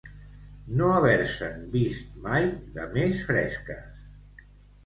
No haver-se'n vist mai de més fresques.